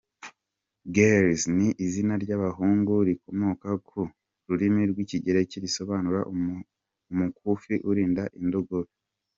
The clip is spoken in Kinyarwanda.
Gilles ni izina ry’abahungu rikomoka ku rurimi rw’Ikigereki risobanura “umukufi urinda indogobe”.